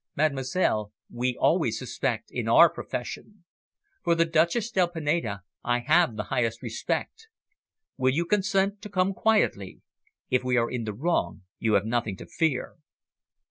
"Mademoiselle, we always suspect in our profession. For the Duchess del Pineda I have the highest respect. Will you consent to come quietly? If we are in the wrong, you have nothing to fear."